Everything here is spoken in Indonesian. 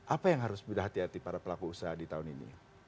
apa yang harus beda hati hati para pelaku usaha di tahun ini